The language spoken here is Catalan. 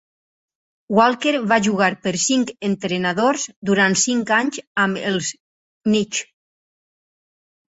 Walker va jugar per cinc entrenadors durant cinc anys amb els Knicks.